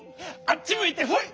あっちむいてほい！